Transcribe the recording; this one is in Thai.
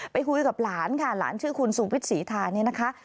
ไปคุยกับหลานค่ะหลานชื่อคุณสุวิทย์ศรีทาเนี่ยนะคะ